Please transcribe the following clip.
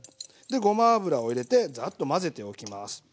でごま油を入れてザッと混ぜておきます。